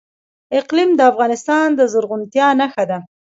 اقلیم د افغانستان د زرغونتیا نښه ده.